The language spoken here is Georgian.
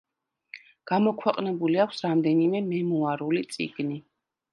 გამოქვეყნებული აქვს რამდენიმე მემუარული წიგნი.